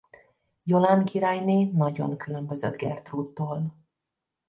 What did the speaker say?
Jolán királyné nagyon különbözött Gertrúdtól.